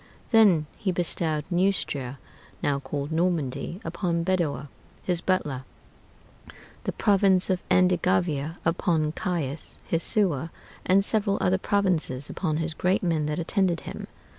Then he bestowed Neustria, now called Normandy, upon Bedoer, his butler; the province of Andegavia upon Caius, his sewer; and several other provinces upon his great men that attended him.